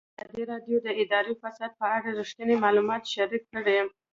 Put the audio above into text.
ازادي راډیو د اداري فساد په اړه رښتیني معلومات شریک کړي.